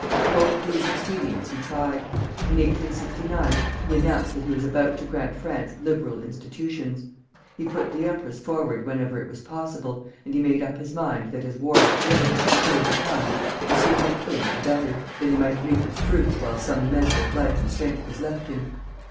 Both these expedients he tried. In 1869 he announced that he was about to grant France liberal institutions. He put the empress forward whenever it was possible, and he made up his mind that as war with Germany was sure to come, the sooner it came, the better, that he might reap its fruits while some measure of life and strength was left him.